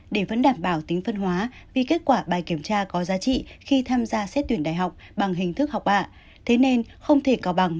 để vẫn đảm bảo tính phân hóa vì kết quả bài kiểm tra có giá trị khi tham gia xét tuyển đại học bằng hình thức học bạ